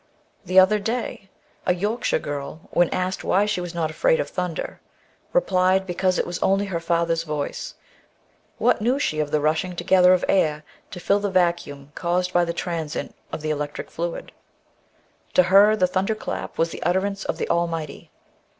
The other day a 172 THE BOOK OF WERE WOLVES. Yorkshire girl, when asked why she was not afraid of thunder, replied because it was only her Father's voice ; what knew she of the rushing together of air to fill the vacuum caused by the transit of the electric fluid ? to her the thunder clap was the utterance of the Almighty.